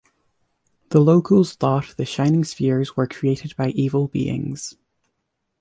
The locals thought the shining spheres were created by evil beings.